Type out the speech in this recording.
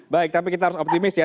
baik tapi kita harus optimis ya